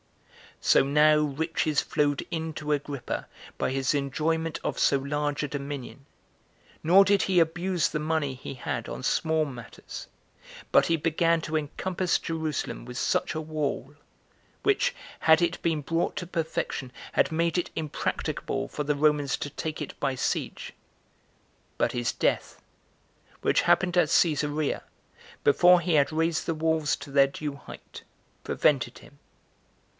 6. So now riches flowed in to Agrippa by his enjoyment of so large a dominion; nor did he abuse the money he had on small matters, but he began to encompass Jerusalem with such a wall, which, had it been brought to perfection, had made it impracticable for the Romans to take it by siege; but his death, which happened at Cesarea, before he had raised the walls to their due height, prevented him.